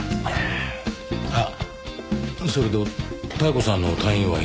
あっそれと妙子さんの退院祝い